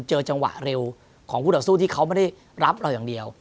เจอจังหวะเร็วของคู่ต่อสู้ที่เขาไม่ได้รับเราอย่างเดียว